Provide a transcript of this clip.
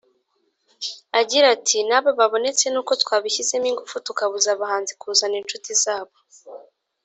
agira ati ”n’aba babonetse n’uko twabishyizemo ingufu tukabuza abahanzi kuzana inshuti zabo